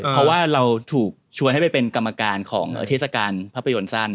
เพราะว่าเราถูกชวนให้ไปเป็นกรรมการของเทศกาลภาพยนตร์สั้น